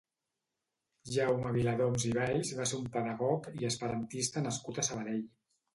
Jaume Viladoms i Valls va ser un pedagog i esperantista nascut a Sabadell.